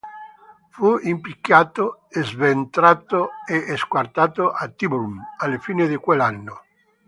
Fu impiccato, sventrato e squartato a Tyburn alla fine di quell'anno.